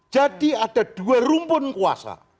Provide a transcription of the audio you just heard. jadi ada dua rumpun kuasa